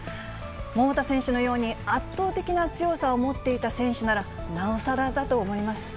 桃田選手のように圧倒的な強さを持っていた選手なら、なおさらだと思います。